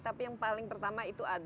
tapi yang paling pertama itu adalah